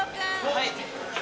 はい。